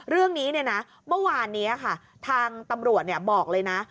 เรื่องนี้เมื่อวานนี้ค่ะทางตำรวจบอกเลยนะ